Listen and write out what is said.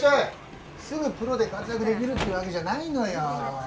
すぐプロで活躍できるってわけじゃないのよ。